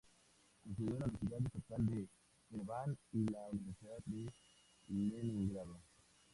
Estudió en la Universidad Estatal de Ereván y la Universidad de Leningrado.